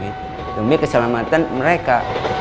jadi itu yang lebih keselamatan mereka